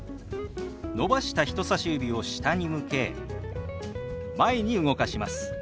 伸ばした人さし指を下に向け前に動かします。